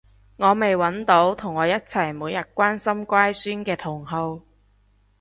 我未搵到同我一齊每日關心乖孫嘅同好